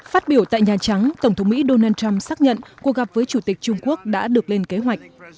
phát biểu tại nhà trắng tổng thống mỹ donald trump xác nhận cuộc gặp với chủ tịch trung quốc đã được lên kế hoạch